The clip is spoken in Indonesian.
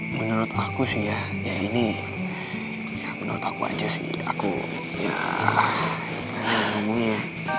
menurut aku sih ya ya ini ya menurut aku aja sih aku ya ngomongin